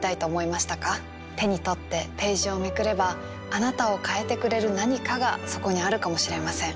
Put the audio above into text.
手に取ってページをめくればあなたを変えてくれる何かがそこにあるかもしれません。